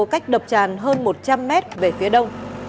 cách đập tràn hơn một trăm linh mét về phía đông